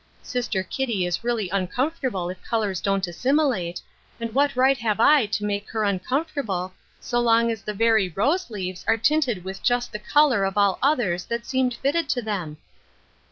Sister Kitty is really un comfortable if colors don't assimilate, and what right have I to make her uncomfortable, so long as the very rose leaves are tinted with just the color of all others that seemed fitted to them